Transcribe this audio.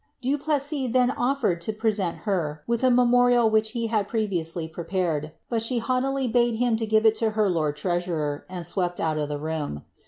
Du Plessis then oflered to present her with a memorial which he hod previously prepared ; but she haughtily bade him give it to her lont treasurer, and swept out of the room.'